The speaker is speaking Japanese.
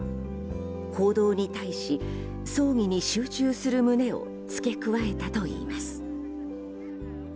報道に対し、葬儀に集中する旨を付け加えたといいます。